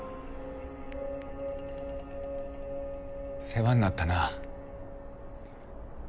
世話になったな。